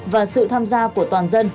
và sự tham gia của toàn dân